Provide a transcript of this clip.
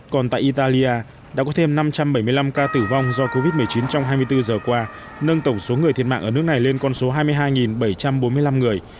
còn tại italia đã có thêm năm trăm bảy mươi năm ca tử vong do covid một mươi chín trong hai mươi bốn giờ qua nâng tổng số người thiệt mạng ở nước này lên con số hai mươi hai bảy trăm bốn mươi năm người